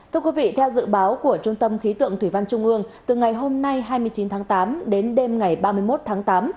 thưa quý vị theo dự báo của trung tâm khí tượng thủy văn trung ương từ ngày hôm nay hai mươi chín tháng tám đến đêm ngày ba mươi một tháng tám